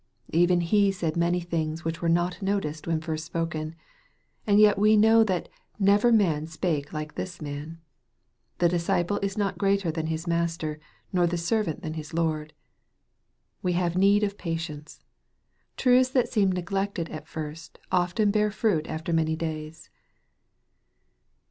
Even He said many things which were not noticed when first spoken. And yet we know that "never man spake like this man." "The disciple is not greater than his Master, nor the servant than his Lord." We have need of patience. Truths that seem neglected at first, often bear fruit after many days.